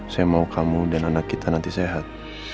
saya mau kamu dan anak kita nanti sehat